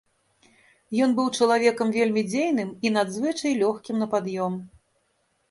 Ён быў чалавекам вельмі дзейным і надзвычай лёгкім на пад'ём.